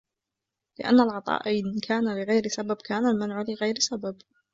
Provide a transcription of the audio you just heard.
لِأَنَّ الْعَطَاءَ إذَا كَانَ لِغَيْرِ سَبَبٍ كَانَ الْمَنْعُ لِغَيْرِ سَبَبٍ